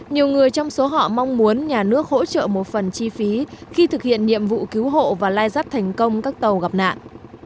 nhiều người trong số họ mong muốn nhà nước hỗ trợ một phần chi phí khi thực hiện nhiệm vụ cứu hộ và lai rắt thành công các tàu gặp nạn